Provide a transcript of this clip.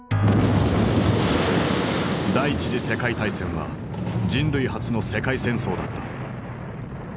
第一次世界大戦は人類初の世界戦争だった。